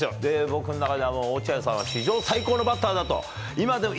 僕の中ではもう落合さんは史上最高のバッターだと、今でも、